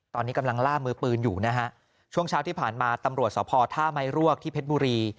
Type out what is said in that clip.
ตอนนี้กำลังล่ามือปืนอยู่นะฮะช่วงเช้าที่ผ่านมาตำรวจสภท่าไม้รวกที่เพชรบุรี